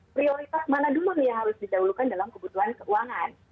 prioritas mana dulu yang harus dijauhkan dalam kebutuhan keuangan